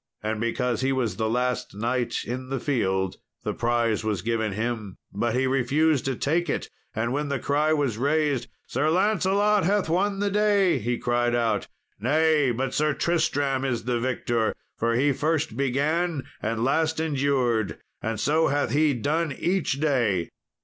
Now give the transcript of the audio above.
And because he was the last knight in the field the prize was given him. But he refused to take it, and when the cry was raised, "Sir Lancelot hath won the day," he cried out, "Nay, but Sir Tristram is the victor, for he first began and last endured, and so hath he done each day."